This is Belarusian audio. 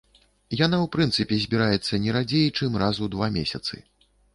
Яна ў прынцыпе збіраецца не радзей, чым раз у два месяцы.